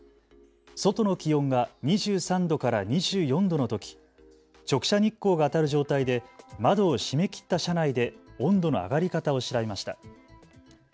外の気温が２３度から２４度のとき、直射日光が当たる状態で窓を閉めきった車内で温度の上がり方を調べました。